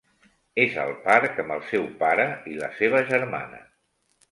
És al parc amb el seu pare i la seva germana.